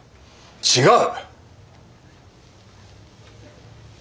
違う！